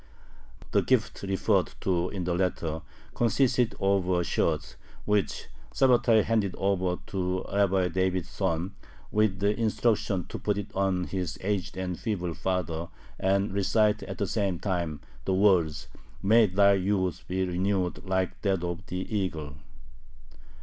The gift referred to in the letter consisted of a shirt which Sabbatai handed over to Rabbi David's son, with the instruction to put it on his aged and feeble father and recite at the same time the words, "May thy youth be renewed like that of the eagle!"